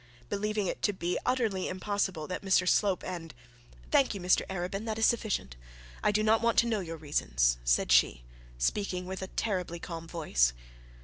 Believing it to be utterly impossible that Mr Slope and ' 'Thank you, Mr Arabin, that is sufficient. I do not want to know your reasons,' said she, speaking with a terribly calm voice.